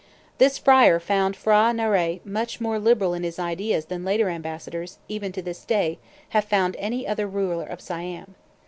This friar found P'hra Narai much more liberal in his ideas than later ambassadors, even to this day, have found any other ruler of Siam.